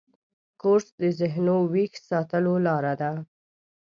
کورس د ذهنو ویښ ساتلو لاره ده.